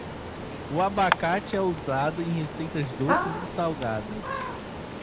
O abacate é usado em receitas doces e salgadas.